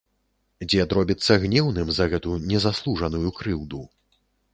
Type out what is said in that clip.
Дзед робіцца гнеўным за гэту незаслужаную крыўду.